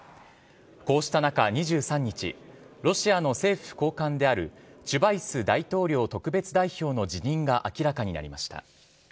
こうした中、２３日ロシアの政府高官であるチュバイス大統領特別代表の辞任が明らかになりました。